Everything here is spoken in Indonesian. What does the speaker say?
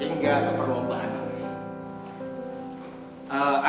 hingga ke perlombaan yang lain